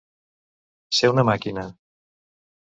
Ser una màquina.